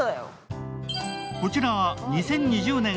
こちら、２０２０年